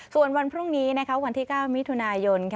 ส่วนวันพรุ่งนี้วันที่๙มิถุนายน